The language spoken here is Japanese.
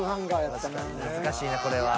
難しいなこれは。